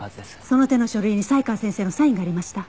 その手の書類に才川先生のサインがありました。